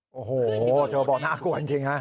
โอ้โหเธอบอกน่ากลัวจริงฮะ